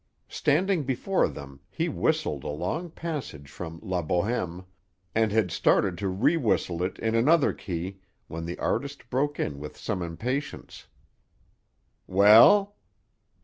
Standing before them, he whistled a long passage from La Bohème, and had started to rewhistle it in another key, when the artist broke in with some impatience. "Well?"